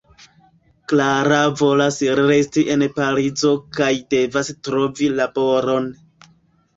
Klara volas resti en Parizo kaj devas trovi laboron.